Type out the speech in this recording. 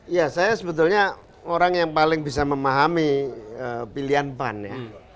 ya saya sebetulnya orang yang paling bisa memahami pilihan pan ya